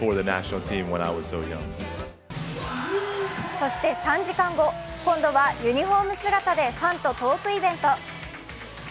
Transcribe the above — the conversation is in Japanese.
そして３時間後、今度はユニフォーム姿でファンとトークイベント。